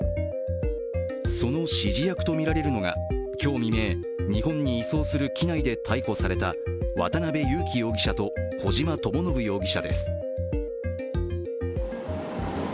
その指示役とみられるのが、今日未明日本に移送する機内で逮捕された渡辺優樹容疑者と小島智信容疑者です。